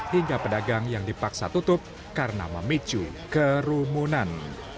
hingga pedagang yang dipaksa tutup karena memicu kerumunan